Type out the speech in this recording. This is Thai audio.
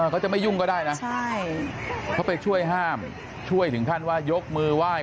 เขาจะไม่ยุ่งก็ได้นะเขาไปช่วยห้ามช่วยถึงขั้นว่ายกมือไหว้